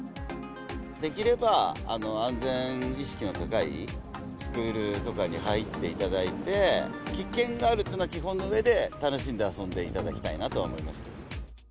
できれば安全意識の高いスクールとかに入っていただいて、危険があるっていうのは基本のうえで、楽しんで遊んでいただきたいなと思いますね。